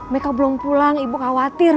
mereka belum pulang ibu khawatir